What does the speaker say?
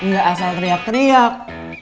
gak asal teriak teriak